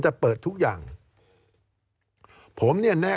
การเลือกตั้งครั้งนี้แน่